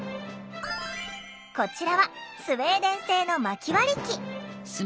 こちらはスウェーデン製のまき割り機。